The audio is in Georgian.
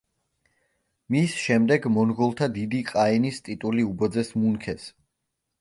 მის შემდეგ მონღოლთა დიდი ყაენის ტიტული უბოძეს მუნქეს.